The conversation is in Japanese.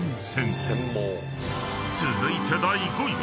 ［続いて第５位は］